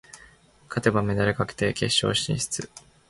勝てばメダル確定、決勝進出。